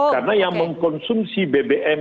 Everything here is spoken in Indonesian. karena yang mengkonsumsi bbm